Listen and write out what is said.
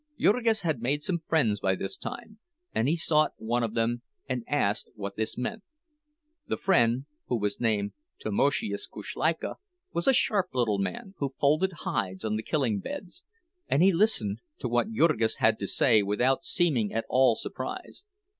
Jurgis had made some friends by this time, and he sought one of them and asked what this meant. The friend, who was named Tamoszius Kuszleika, was a sharp little man who folded hides on the killing beds, and he listened to what Jurgis had to say without seeming at all surprised.